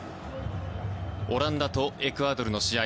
オランダとエクアドルの試合。